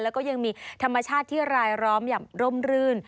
แล้วก็ยังมีธรรมชาติที่รายล้อมอย่างร่มรื่น